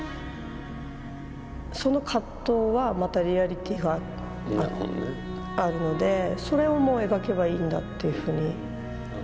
その葛藤はまたリアリティーがあるのでそれも描けばいいんだっていうふうに思う。